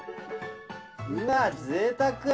うわっぜいたく！